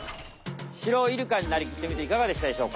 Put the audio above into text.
シロイルカになりきってみていかがでしたでしょうか？